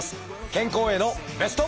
健康へのベスト。